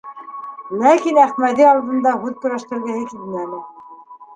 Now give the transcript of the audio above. Ләкин Әхмәҙи алдында һүҙ көрәштергеһе килмәне.